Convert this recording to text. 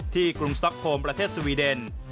ที่กรุงสต๊อกโพมประเทศสวีเดน